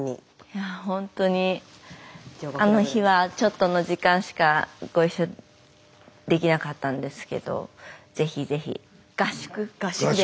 いやほんとにあの日はちょっとの時間しかご一緒できなかったんですけどぜひぜひ合宿があるんだったら。